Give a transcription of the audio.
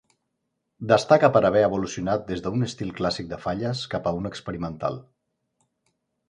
Destaca per haver evolucionat des d'un estil clàssic de falles cap a un experimental.